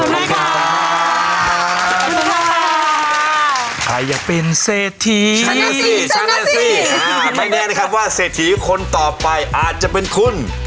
นานรั้งกว่าเศรษฐีคนต่อไปจะเป็นคุณ